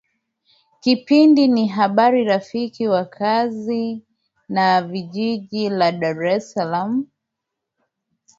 kipindi ni habari rafiki wakaazi wa jiji la dar es salaam